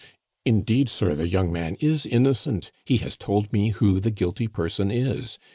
"Indeed, sir, the young man is innocent; he has told me who the guilty person is!